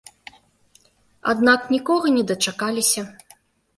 Аднак нікога не дачакаліся.